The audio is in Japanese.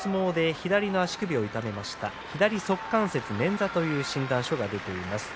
左足関節捻挫という診断書が出ています。